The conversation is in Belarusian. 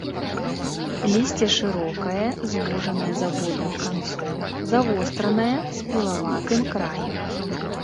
Лісце шырокае, звужанае з абодвух канцоў, завостранае, з пілаватым краем.